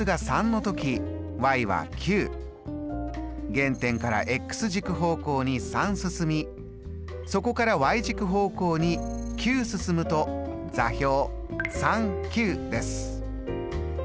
原点から軸方向に３進みそこから軸方向に９進むと座標です。